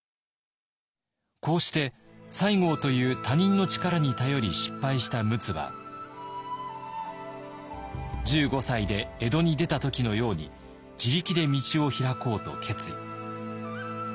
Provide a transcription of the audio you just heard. こうして西郷という他人の力に頼り失敗した陸奥は１５歳で江戸に出た時のように自力で道を開こうと決意。